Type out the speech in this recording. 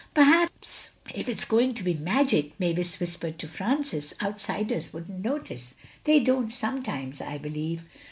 "Perhaps if it's going to be magic," Mavis whispered to Francis, "outsiders wouldn't notice. They don't sometimes—I believe.